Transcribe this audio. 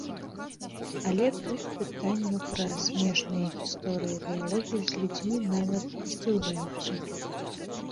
Але тут пытанню пра смешныя гісторыі-дыялогі з людзьмі нават здзіўляюцца.